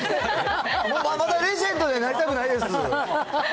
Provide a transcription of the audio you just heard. まだレジェンドになりたくないです。